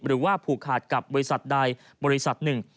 หรือว่าผูกขาดกับบริษัทใดบริษัทหนึ่ง